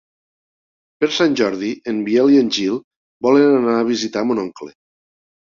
Per Sant Jordi en Biel i en Gil volen anar a visitar mon oncle.